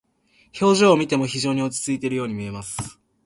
表情を見ても非常に落ち着いているように見えます。